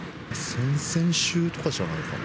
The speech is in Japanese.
先々週とかじゃないかな。